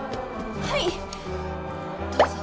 はいどうぞ。